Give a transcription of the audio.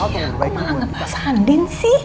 iya aku malah ngepas andin sih